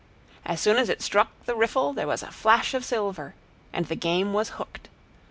As soon as it struck the riffle there was a flash of silver, and the game was hooked.